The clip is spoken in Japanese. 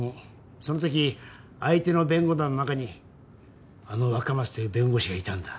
そのとき相手の弁護団の中にあの若松という弁護士がいたんだ。